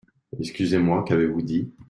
Excusez-moi, qu’avez-vous dit ?